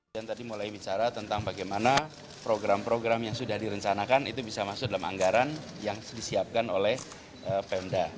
dan tadi mulai bicara tentang bagaimana program program yang sudah direncanakan itu bisa masuk dalam anggaran yang disiapkan oleh pemda